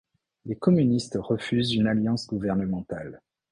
Les communistes refusent une alliance gouvernementale.